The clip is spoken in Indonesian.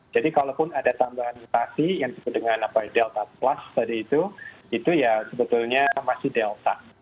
jadi kalaupun ada tambahan pasi yang disebut dengan delta plus tadi itu itu ya sebetulnya masih delta